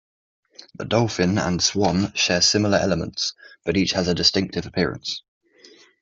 The Dolphin and Swan share similar elements, but each has a distinctive appearance.